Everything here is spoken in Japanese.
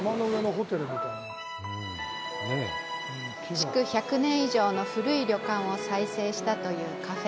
築１００年以上の古い旅館を再生したというカフェ。